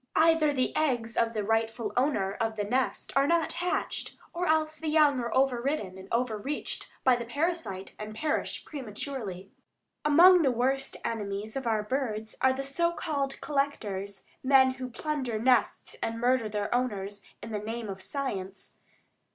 Either the eggs of the rightful owner of the nest are not hatched, or else the young are overridden and overreached by the parasite and perish prematurely. Among the worst enemies of our birds are the so called "collectors," men who plunder nests and murder their owners in the name of science.